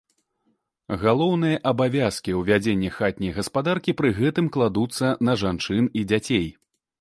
Галоўныя абавязкі ў вядзенні хатняй гаспадаркі пры гэтым кладуцца на жанчын і дзяцей.